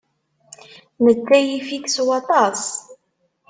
Netta yif-ik s waṭas.